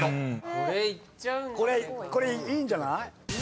これいいんじゃない？